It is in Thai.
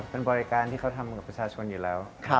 เป็นบริการที่เขาทำกับประชาชนอยู่แล้ว